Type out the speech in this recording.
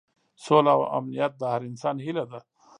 سوله او امنیت د هر انسان هیله ده.